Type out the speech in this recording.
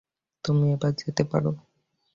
তুমি এবার যেতে পারো।